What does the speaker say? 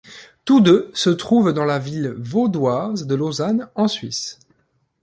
Tous deux se trouvent dans la ville vaudoise de Lausanne, en Suisse.